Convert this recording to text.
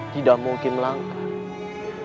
tidak mungkin melanggar